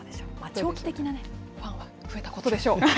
長期的なファンは増えたことでしょう。